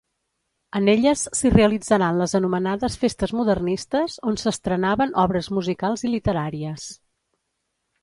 En elles si realitzaran les anomenades Festes Modernistes, on s'estrenaven obres musicals i literàries.